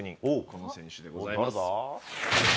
この選手でございます。